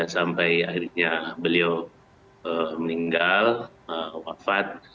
sampai akhirnya beliau meninggal wafat